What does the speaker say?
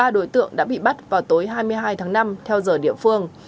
ba đối tượng đã bị bắt vào tối hai mươi hai tháng năm theo giờ địa phương